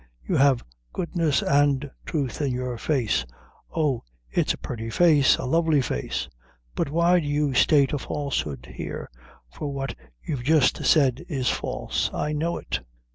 You have goodness an' truth in your face. Oh, it's a purty face a lovely face. But why do you state a falsehood here for what you've just said is false; I know it."